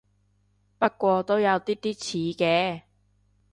不過都有啲啲似嘅